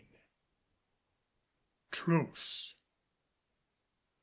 TRUCE.